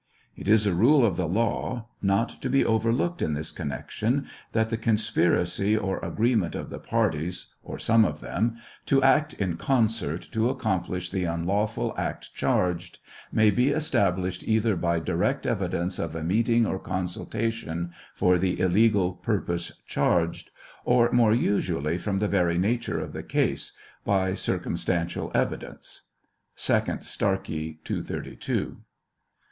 It is a rule of the law, not to be overlooked in this connection, that the conspiracy or agree ment of the parties, or some bf them, to act in concert to accomplish the unlawful act charged, may be established either by direct evidence of a meeting or consultation for the illegal pur pose charged, or more usually from the very nature of the case, by circumstantial evidence. (3d Starkie, 232.)